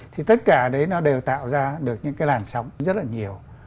thì tất cả đấy nó đều tạo ra được những cái làn sóng rất là nhiều